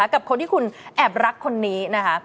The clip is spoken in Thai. กับคนที่คุณแอบรักคนนี้นะคะ